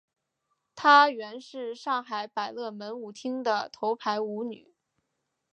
她原是上海百乐门舞厅的头牌舞女。